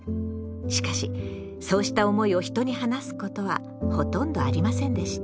しかしそうした思いを人に話すことはほとんどありませんでした。